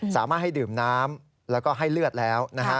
สามารถให้ดื่มน้ำแล้วก็ให้เลือดแล้วนะฮะ